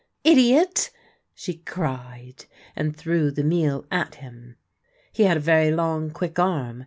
" Idiot !" she cried, and threw the meal at him. He had a very long, quick arm.